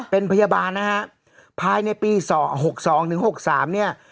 เป็นพยาบาลนะฮะภายในปี๖๒ถึง๖๓เนี่ย